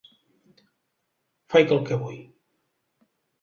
Faig el que vull.